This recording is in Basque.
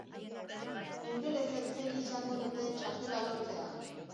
Ingelesek zail izango dute txartela lortzea.